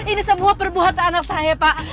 ini semua perbuatan anak saya pak